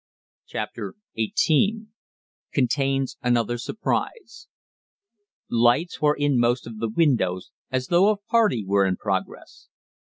CHAPTER XVIII CONTAINS ANOTHER SURPRISE Lights were in most of the windows, as though a party were in progress.